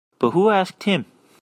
But who asked him?